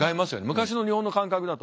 昔の日本の感覚だと。